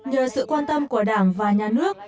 nhờ sự quan tâm của đảng và nhà nước